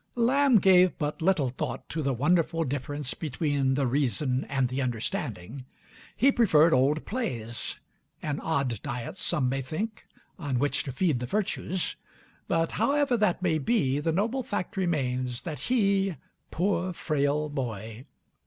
Lamb gave but little thought to the wonderful difference between the "reason" and the "understanding." He preferred old plays an odd diet, some may think, on which to feed the virtues; but however that may be, the noble fact remains, that he, poor, frail boy!